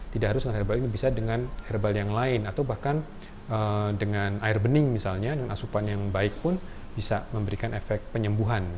tidak harus dengan herbal ini bisa dengan herbal yang lain atau bahkan dengan air bening misalnya dengan asupan yang baik pun bisa memberikan efek penyembuhan